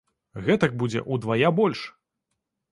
Гэтак будзе ўдвая больш!